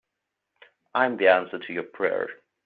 I'm the answer to your prayer.